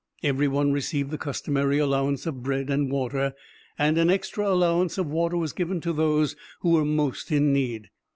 _—Every one received the customary allowance of bread and water, and an extra allowance of water was given to those who were most in need.